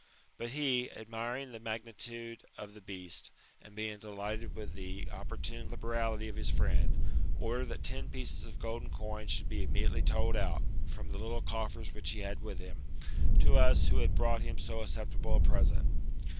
But he, admiring the magnitude of the beast, and being delighted with the opportune liberality of his friend, ordered that ten pieces of golden coin should be immediately told out, from the little coffers which he had with him, to us who had brought him so acceptable a present.